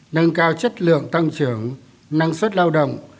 nâng cao chất lượng tăng trưởng năng suất lao động